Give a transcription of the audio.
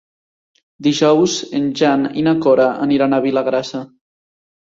Dijous en Jan i na Cora aniran a Vilagrassa.